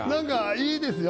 いいですよ。